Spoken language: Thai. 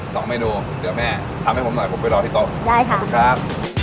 สองเมนูเดี๋ยวแม่ทำให้ผมหน่อยผมไปรอที่โต๊ะได้ค่ะคุณครับ